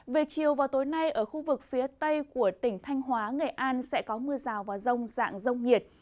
về chiều vào tối nay ở khu vực phía tây của tỉnh thanh hóa nghệ an sẽ có mưa rào và rông dạng rông nhiệt